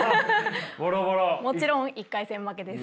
もちろん１回戦負けです。